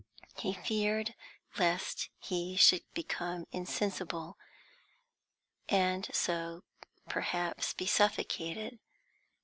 He feared lest he should become insensible, and so perhaps be suffocated.